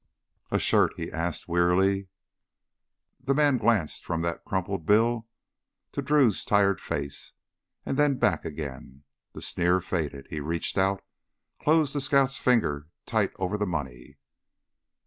"A shirt?" he asked wearily. The man glanced from that crumpled bill to Drew's tired face and then back again. The sneer faded. He reached out, closed the scout's fingers tight over the money.